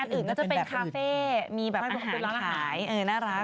อื่นจะเป็นคาเฟ่มีอาหารขายน่ารัก